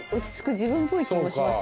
自分っぽい気もします